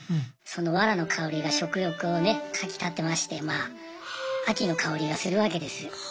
そのわらの香りが食欲をねかきたてましてまぁ秋の香りがするわけです。